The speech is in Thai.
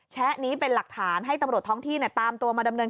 แชะนี้เป็นหลักฐานให้ตำรวจท้องที่ตามตัวมาดำเนิน